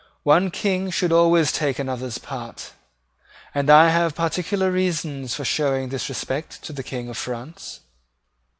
One King should always take another's part: and I have particular reasons for showing this respect to the King of France."